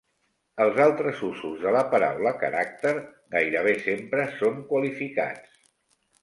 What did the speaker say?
Els altres usos de la paraula "caràcter" gairebé sempre són qualificats.